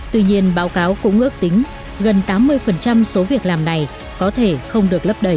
tuy nhiên báo cáo cũng ước tính gần tám mươi số việc làm này có thể không được lấp đầy